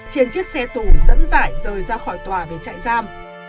trên chiếc xe tù dẫn dại rời ra khỏi tòa về chạy giam